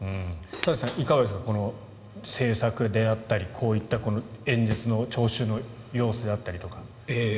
田崎さん、いかがですか政策であったりこういった演説の聴衆の様子であったりとか。